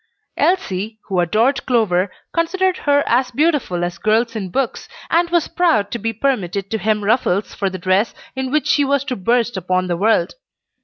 Elsie, who adored Clover, considered her as beautiful as girls in books, and was proud to be permitted to hem ruffles for the dress in which she was to burst upon the world.